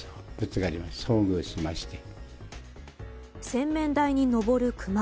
洗面台に上るクマ。